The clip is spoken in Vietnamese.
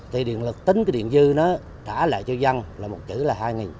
thì điện lực tính cái điện dư nó trả lại cho dân là một chữ là hai